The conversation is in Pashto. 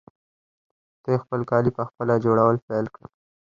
دوی خپل کالي پخپله جوړول پیل کړل.